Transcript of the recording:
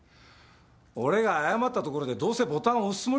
俺が謝ったところでどうせボタン押すつもりだろ。